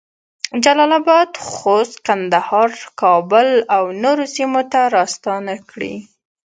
جلال اباد، خوست، کندهار، کابل اونورو سیمو ته راستنه کړې